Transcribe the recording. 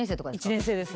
１年生です。